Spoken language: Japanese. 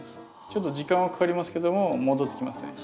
ちょっと時間はかかりますけども戻ってきますね。